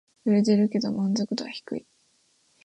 売れてるけど満足度は低い